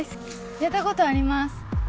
やったことあります。